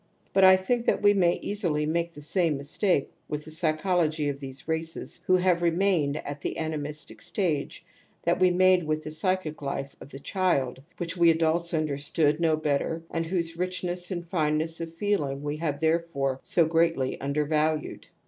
^ But I think that [we may easily make the same mistake with the psychology of these races who have remained at the animistic stage that we made with the psychic life of the child, which we adults imderstood no better and whose rich t THE OMNIPOTENCE OF THOUGHT 165 r\\ ness and fineness of feeling we have therefore so greatly undervalued.